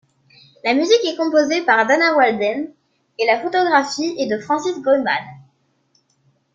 La musique est composée par Dana Walden et la photographie est de Francis Grumman.